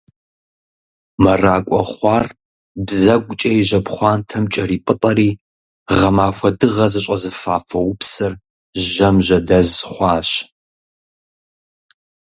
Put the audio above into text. Мэракӏуэ хъуар, бзэгукӏэ и жьэпхъуантэм кӏэрипӏытӏэри, гъэмахуэ дыгъэ зыщӏэзыфа фоупсыр, жьэм жьэдэз хъуащ.